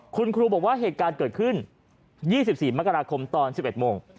คุณครูบอกว่าเหตุการณ์เกิดขึ้น๒๔มกราคมตอน๑๑โมง